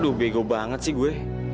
aduh bego banget sih gue